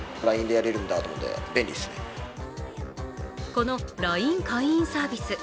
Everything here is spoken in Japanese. このＬＩＮＥ会員サービス。